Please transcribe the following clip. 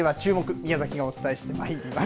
宮崎がお伝えしてまいります。